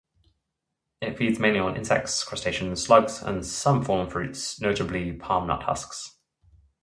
It feeds mainly on insects, crustaceans, slugs and some fallen fruits, notably palm-nut husks.